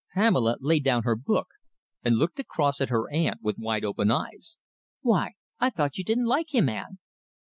Pamela laid down her book and looked across at her aunt with wide open eyes. "Why, I thought you didn't like him, aunt?"